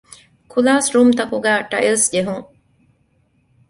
ކުލާސްރޫމްތަކުގައި ޓައިލްސް ޖެހުން